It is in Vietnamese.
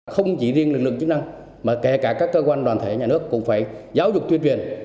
không chỉ riêng lực lượng chức năng mà kể cả các cơ quan đoàn thể nhà nước cũng phải giáo dục tuyên truyền